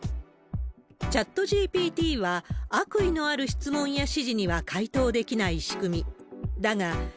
チャットＧＰＴは、悪意のある質問や指示には回答できない仕組み。